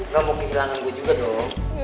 lo mau kekelaangan gue juga dong